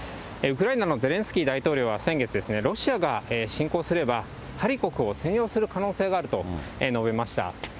ウクライナのゼレンスキー大統領は、先月ですね、ロシアが侵攻すれば、ハリコフを占領する可能性があると述べました。